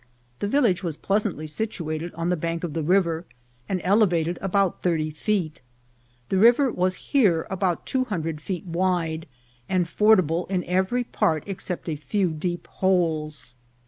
The village was pleasantly situated on the bank of the river, and elevated about thirty feet. The river was here about two hundred feet wide, and fordable in every part except a few deep holes.